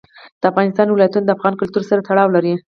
د افغانستان ولايتونه د افغان کلتور سره تړاو لري.